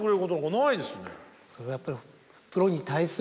それはやっぱり。